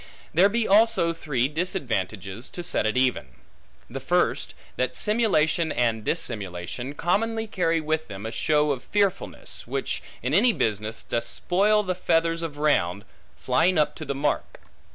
There be also three disadvantages, to set it even. The first, that simulation and dissimulation commonly carry with them a show of fearfulness, which in any business, doth spoil the feathers, of round flying up to the mark.